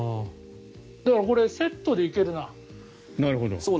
だから、これセットでいけるな。